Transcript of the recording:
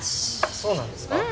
そうなんですか？